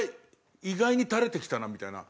意外に垂れてきたなみたいな。